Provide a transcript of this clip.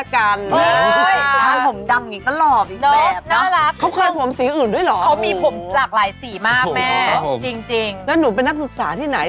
ขอต้อนรับเชฟคริสกับเชฟกันค่ะ